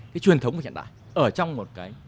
truyền thống của hiện đại ở trong một cái